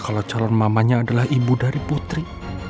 kalau calon mamanya adalah ibu dari putri